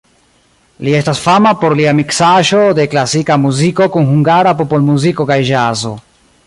Li estas fama por lia miksaĵo de klasika muziko kun hungara popolmuziko kaj ĵazo.